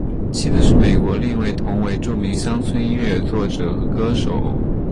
妻子是美国另一位同为著名乡村音乐作者和歌手。